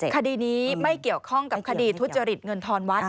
คดีนี้ไม่เกี่ยวข้องกับคดีทุจริตเงินทอนวัด